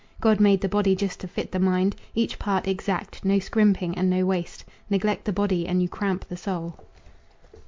God made the body just to fit the mind, Each part exact, no scrimping and no waste Neglect the body and you cramp the soul.